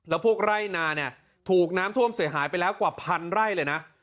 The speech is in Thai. แล้วพวกไร่นาเนี่ยถูกน้ำท่วมเสียหายไปแล้วกว่าพันไร่เลยนะ